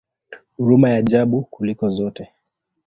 Huruma ya ajabu kuliko zote!